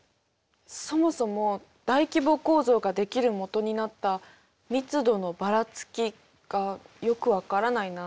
そもそも大規模構造が出来る元になった「密度のばらつき」がよく分からないなって。